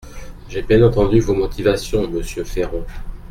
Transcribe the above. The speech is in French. J’ai bien entendu vos motivations, monsieur Féron.